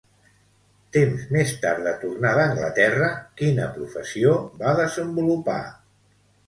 Temps més tard de tornar d'Anglaterra, quina professió va desenvolupar?